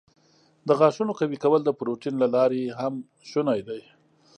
د غاښونو قوي کول د پروټین له لارې هم شونی دی.